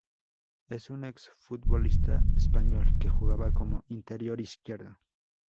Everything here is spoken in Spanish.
Es un exfutbolista español que jugaba como interior izquierdo.